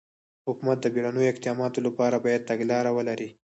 حکومت د بېړنیو اقداماتو لپاره باید تګلاره ولري.